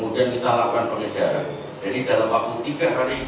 bisa ditelakan pengungkap